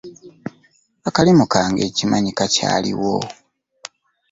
Akalimu kange nkimanyi kakyaliwo.